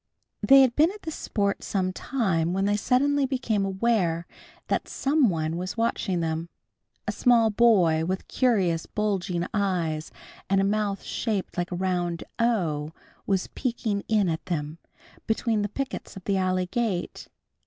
They had been at this sport some time, when they suddenly became aware that some one was watching them. A small boy with curious bulging eyes, and a mouth open like a round O was peeking in at them, between the pickets of the alley gate.